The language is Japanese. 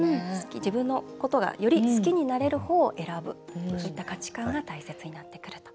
自分のことがより好きになれる方を選ぶという価値観が大切になってくる。